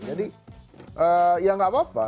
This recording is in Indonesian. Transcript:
jadi ya nggak apa apa